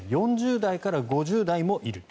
４０代から５０代もいる。